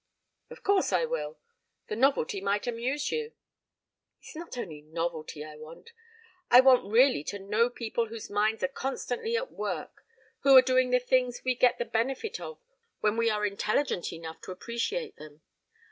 "Of course I will. The novelty might amuse you " "It's not only novelty I want. I want really to know people whose minds are constantly at work, who are doing the things we get the benefit of when we are intelligent enough to appreciate them.